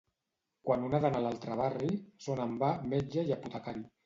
Quan un ha d'anar a l'altre barri, són en va metge i apotecari.